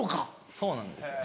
そうなんですよね。